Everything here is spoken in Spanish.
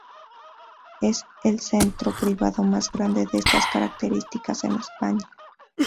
Es el centro privado más grande de estas características en España.